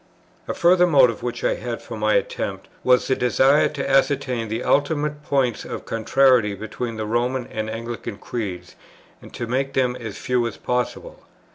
A further motive which I had for my attempt, was the desire to ascertain the ultimate points of contrariety between the Roman and Anglican creeds, and to make them as few as possible.